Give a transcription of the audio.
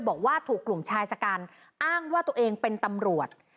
บอกว่าถูกกลุ่มชายชะกันอ้างว่าตัวเองเป็นตำรวจ